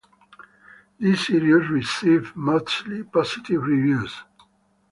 The series received mostly positive reviews.